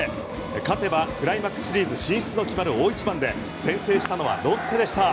勝てばクライマックスシリーズ進出を決める大一番で先制したのはロッテでした。